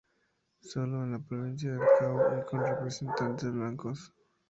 Solo en la provincia del Cabo y con representantes blancos.